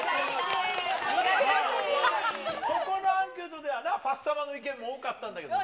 ここのアンケートではな、ファッサマの意見も多かったけどな。